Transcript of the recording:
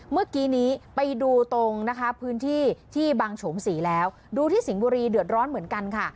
เมื่อกี้นี้ไปดูตรงนะคะพื้นที่ที่บางโฉมศรีแล้วดูที่สิงห์บุรีเดือดร้อนเหมือนกันค่ะ